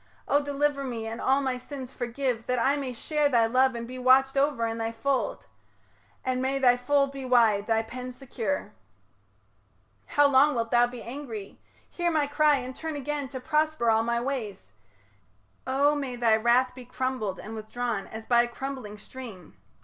O deliver me And all my sins forgive, that I may share Thy love and be watched over in thy fold; And may thy fold be wide, thy pen secure. How long wilt thou be angry? Hear my cry, And turn again to prosper all my ways O may thy wrath be crumbled and withdrawn As by a crumbling stream.